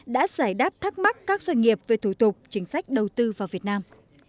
đã giải đáp thắc mắc các doanh nghiệp về thủ tục chính sách đầu tư vào việt nam